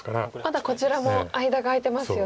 まだこちらも間が空いてますよね。